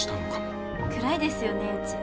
暗いですよねうち。